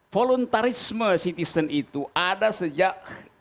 voluntarisme citizen itu ada sejak seribu sembilan ratus sembilan puluh delapan